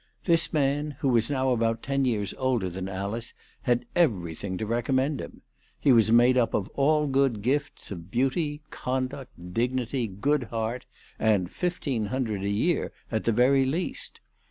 This man, who was now about ten years older than Alice, had everything to recommend him. He was made up of all good gifts of beauty, conduct, dignity, good heart, and fifteen hundred a year at the very least.